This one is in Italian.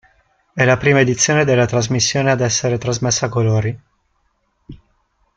È la prima edizione della trasmissione ad essere trasmessa a colori.